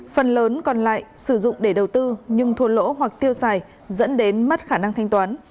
phần lớn còn lại sử dụng để đầu tư nhưng thua lỗ hoặc tiêu xài dẫn đến mất khả năng thanh toán